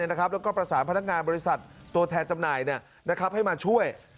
แล้วก็ประสานพนักงานบริษัทตัวแทนจำหน่ายให้มาช่วย